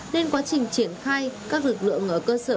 nên quá trình triển khai các lực lượng ở cơ sở